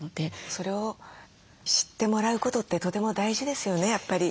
それを知ってもらうことってとても大事ですよねやっぱり。